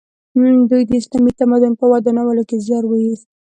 دوی د اسلامي تمدن په ودانولو کې زیار وایست.